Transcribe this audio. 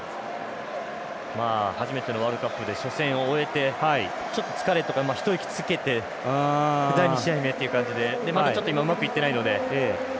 初めてのワールドカップで初戦を終えて、ちょっと疲れとか一息つけて２試合目という感じでちょっと今うまくいっていないので。